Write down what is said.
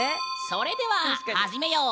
それでは始めよう。